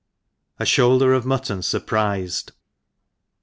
' A Shoulder of ^xjtto^ furprifed.